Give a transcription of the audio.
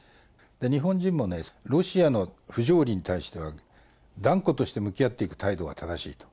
日本人もね、ロシアの不条理に対しては、断固として向き合っていく態度が正しいと。